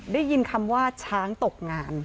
ได้ยินคำว่าช้างตกงาน